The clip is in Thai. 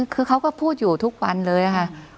คือเขาก็พูดอยู่ทุกวันเลยนะคะ